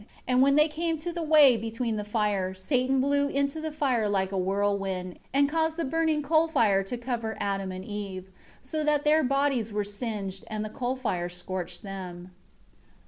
And when they came to the way between the fire, Satan blew into the fire like a whirlwind, and caused the burning coal fire to cover Adam and Eve; so that their bodies were singed; and the coal fire scorched them*.